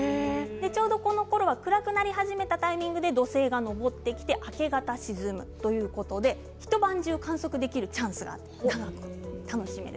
このころは暗くなり始めたタイミングで土星が昇ってきて明け方、沈むということで一晩、観測するチャンスがあるんです。